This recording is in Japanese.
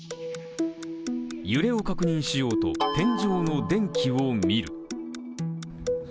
揺れを確認しようと、天井の電気を見る。